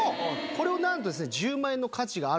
これをなんとですね。